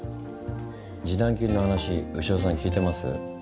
示談金の話牛尾さん聞いてます？